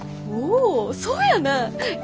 おそうやな！